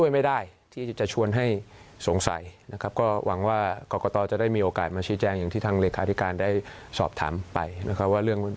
มีความพยายามที่สกัดกั้น